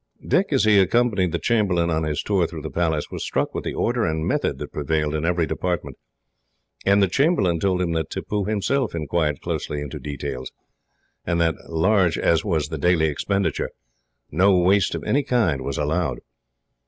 Dick, as he accompanied the chamberlain on his tour through the Palace, was struck with the order and method that prevailed in every department, and the chamberlain told him that Tippoo, himself, inquired closely into details, and that, large as was the daily expenditure, no waste of any kind was allowed.